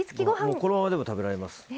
このままでも食べれます。